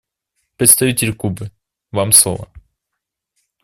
Представитель Кубы, Вам слово.